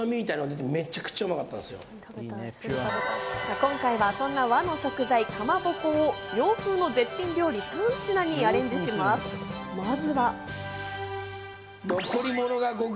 今回はそんな和の食材かまぼこを洋風の絶品料理３品にアレンジします。